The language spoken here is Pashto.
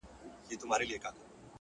د نورو خوشالي خپله خوشالي زیاتوي